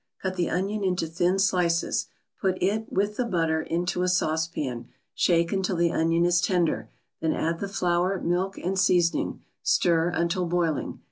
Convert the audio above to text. Cut the onion into thin slices; put it, with the butter, into a saucepan, shake until the onion is tender, then add the flour, milk and seasoning; stir until boiling.